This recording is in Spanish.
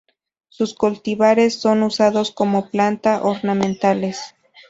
Sus cultivares son usados como planta ornamentales.